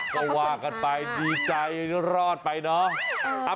ก็ว่ากันไปดีใจรอดไปเนาะ